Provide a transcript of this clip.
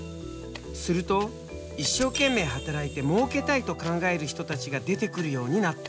すると一生懸命働いてもうけたいと考える人たちが出てくるようになった。